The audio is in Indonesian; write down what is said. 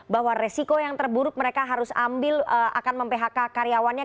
bahwa resiko yang terburuk mereka harus ambil akan mem phk karyawannya